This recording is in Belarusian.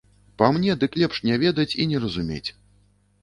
Па мне, дык лепш не ведаць і не разумець.